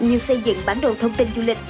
như xây dựng bản đồ thông tin du lịch